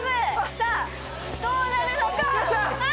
さあ、どうなるのか？